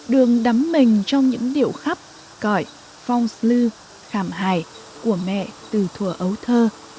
đường đắm mình trong những điệu khắp cõi phong lưu khảm hải của mẹ từ thùa ấu thơ